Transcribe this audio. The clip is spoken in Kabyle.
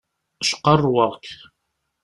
Cqerrweɣ-k!